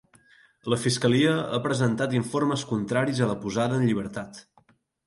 La fiscalia ha presentat informes contraris a la posada en llibertat.